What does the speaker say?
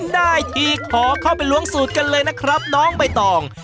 ได้ทีขอเข้าไปล้วงสูตรกันเลยนะครับน้องใบตอง